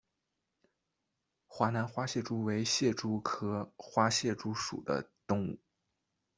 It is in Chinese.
华南花蟹蛛为蟹蛛科花蟹蛛属的动物。